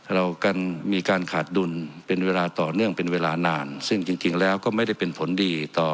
เรากันมีการขาดดุลเป็นเวลาต่อเนื่องเป็นเวลานานซึ่งจริงแล้วก็ไม่ได้เป็นผลดีต่อ